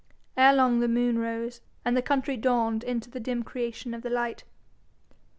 Ere long the moon rose, and the country dawned into the dim creation of the light.